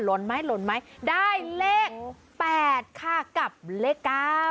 ลนไหมลุ้นไหมได้เลขแปดกับเลขเก้า